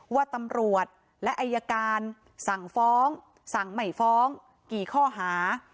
ว่าตำรวจและอายการสั่งฟ้องสั่งไม่ฟ้องกี่ข้อหา